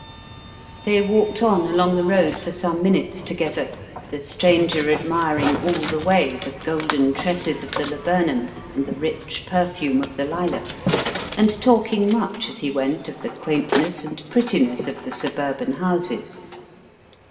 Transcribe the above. They walked on along the road for some minutes together, the stranger admiring all the way the golden tresses of the laburnum and the rich perfume of the lilac, and talking much as he went of the quaintness and prettiness of the suburban houses.